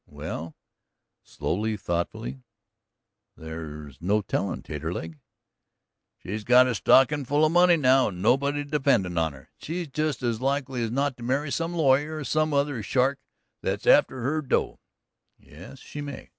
"Well," slowly, thoughtfully, "there's no tellin', Taterleg." "She's got a stockin' full of money now, and nobody dependin' on her. She's just as likely as not to marry some lawyer or some other shark that's after her dough." "Yes, she may."